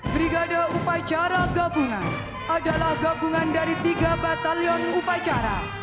brigade satu upacara adalah gabungan dari tiga batalion upacara